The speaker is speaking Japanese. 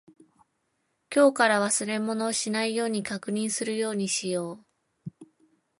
今日から忘れ物をしないように確認するようにしよう。